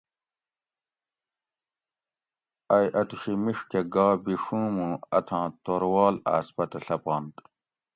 ائ اتوشی میڛ کہ گا بیڛوں موں اتھاں توروال آس پتہ ڷپنت